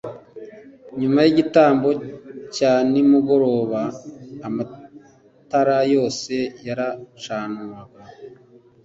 Nyuma y'igitambo cya nimugoroba amatara yose yaracanwaga